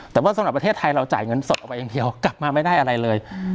แต่ว่าสำหรับประเทศไทยเราจ่ายเงินสดออกไปอย่างเดียวกลับมาไม่ได้อะไรเลย